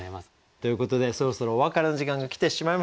ということでそろそろお別れの時間が来てしまいました。